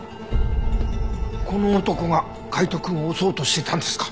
この男が海斗くんを襲おうとしてたんですか？